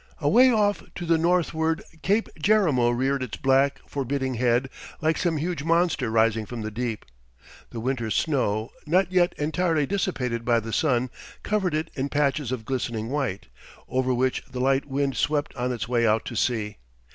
Away off to the northward Cape Jerimo reared its black, forbidding head like some huge monster rising from the deep. The winter's snow, not yet entirely dissipated by the sun, covered it in patches of glistening white, over which the light wind swept on its way out to sea.